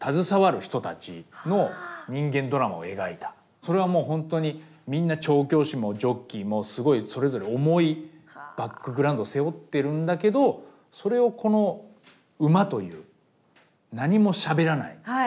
それはもうほんとにみんな調教師もジョッキーもすごいそれぞれ重いバックグラウンド背負ってるんだけどそれをこの馬という何もしゃべらない